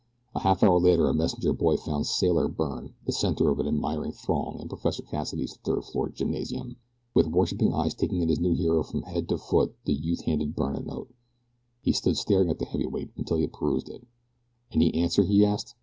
A half hour later a messenger boy found "Sailor" Byrne the center of an admiring throng in Professor Cassidy's third floor gymnasium. With worshiping eyes taking in his new hero from head to foot the youth handed Byrne a note. He stood staring at the heavy weight until he had perused it. "Any answer?" he asked.